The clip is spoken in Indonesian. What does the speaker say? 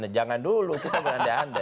jangan dulu kita berande ande